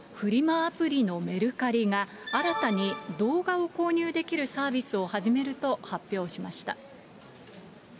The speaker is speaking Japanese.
アプリのメルカリが、新たに動画を購入できるサービスを始めると発表しました。